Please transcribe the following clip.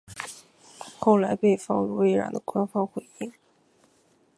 后来被放入微软的官方回应。